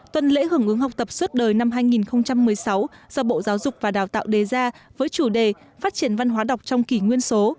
tuần lễ hưởng ứng học tập suốt đời năm hai nghìn một mươi sáu do bộ giáo dục và đào tạo đề ra với chủ đề phát triển văn hóa đọc trong kỷ nguyên số